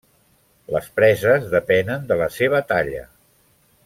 Les preses depenen de la seva talla.